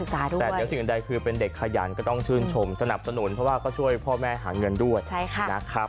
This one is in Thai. ถ้ามันทันถ้าเล็กมันได้วันเสาร์อาทิตย์ค่ะ